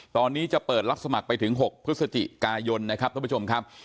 ตอนนี้จะเปิดรับสมัครไปถึง๖พฤศจิกายนนะครับท่านผู้ชมครับ